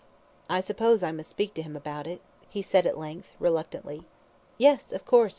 "I suppose I must speak to him about it?" he said at length, reluctantly. "Yes, of course!"